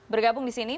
bergabung di sini